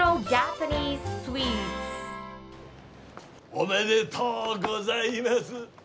おめでとうございます。